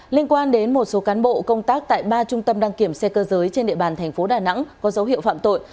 liên quan đến một số cán bộ công tác tại ba trung tâm đăng kiểm xe cơ giới trên địa bàn thành phố đà nẵng có dấu hiệu phạm tội